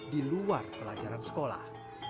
di luar pelajaran sekolah